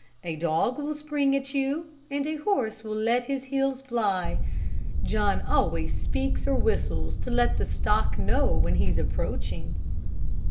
A dog will spring at you, and a horse will let his heels fly. John always speaks or whistles to let the stock know when he's approaching."